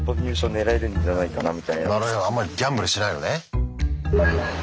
なるあんまりギャンブルしないのね。